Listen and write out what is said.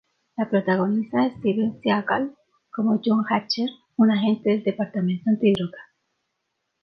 La protagoniza Steven Seagal como John Hatcher, un agente del departamento antidroga.